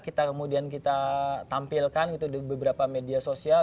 kita kemudian kita tampilkan itu di beberapa media sosial